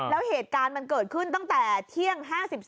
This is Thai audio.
แล้วเหตุการณ์มันเกิดขึ้นตั้งแต่เที่ยง๕๓